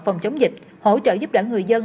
phòng chống dịch hỗ trợ giúp đỡ người dân